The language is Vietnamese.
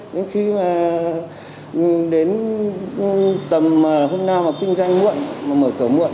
đến khi mà đến tầm hôm nào mà kinh doanh muộn mà mở cửa muộn